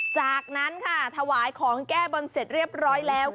จากนั้นค่ะถวายของแก้บนเสร็จเรียบร้อยแล้ว